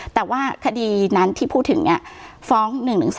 แต่ว่าคดีนั้นที่พูดถึงฟ้อง๑๑๒